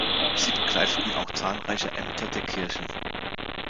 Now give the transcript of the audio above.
Sie bekleideten auch zahlreiche Ämter der Kirche.